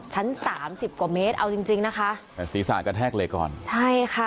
ชั้นสามสิบกว่าเมตรเอาจริงจริงนะคะแต่ศีรษะกระแทกเหล็กก่อนใช่ค่ะ